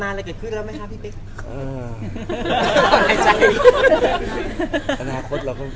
หลังจากนี้จะไม่มีต่างนานอะไรเกี่ยวกับผู้แล้วหรือครับ